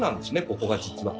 ここが実は。